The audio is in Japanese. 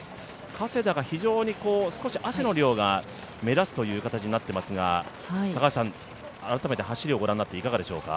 加世田が汗の量が目立つということになっていますが、改めて走りをご覧になっていかがでしょうか？